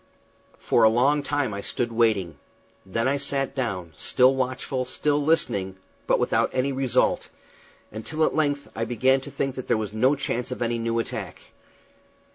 For a long time I stood waiting; then I sat down, still watchful, still listening, but without any result, until at length I began to think that there was no chance of any new attack.